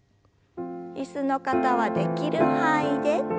椅子の方はできる範囲で。